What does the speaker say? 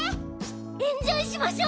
エンジョイしましょ！